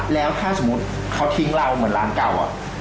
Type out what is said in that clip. แล้วถ้าสมมุติเขาทิ้งเราเหมือนร้านเก่า